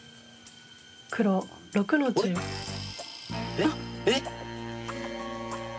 えっ？えっ？